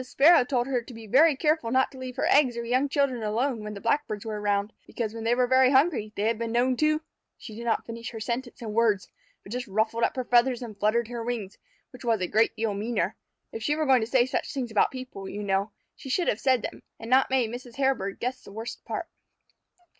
Sparrow told her to be very careful not to leave her eggs or young children alone when the Blackbirds were around, because when they were very hungry they had been known to ! She did not finish her sentence in words, but just ruffled up her feathers and fluttered her wings, which was a great deal meaner. If she were going to say such things about people, you know, she should have said them, and not made Mrs. Hairbird guess the worst part.